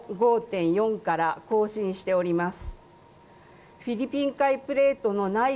速報値の５．４から更新しております。